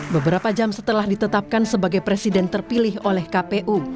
beberapa jam setelah ditetapkan sebagai presiden terpilih oleh kpu